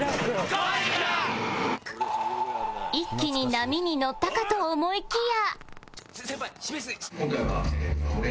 一気に波に乗ったかと思いきや